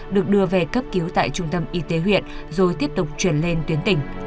được đưa về cấp cứu tại trung tâm y tế huyện rồi tiếp tục chuyển lên tuyến tỉnh